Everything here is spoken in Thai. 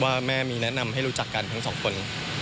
ว่าแม่มีแนะนำให้รู้จักกันทั้งสองคน